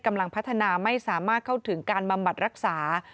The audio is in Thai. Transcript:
กำลังพัฒนาไม่สามารถเข้าถึงการบำบัดรักษา